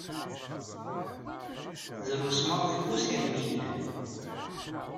Drus maḍi n usirem i yellan.